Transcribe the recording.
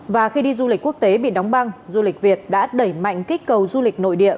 và khi đi du lịch quốc tế bị đóng băng du lịch việt đã đẩy mạnh kích cầu du lịch nội địa